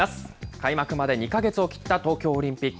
開幕まで２か月を切った東京オリンピック。